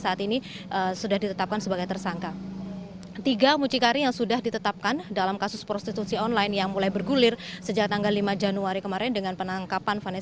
ahli bahasa ahli dari kementerian